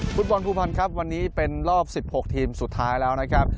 ฟุตบอลภูพันธ์ครับวันนี้เป็นรอบ๑๖ทีมสุดท้ายแล้วนะครับ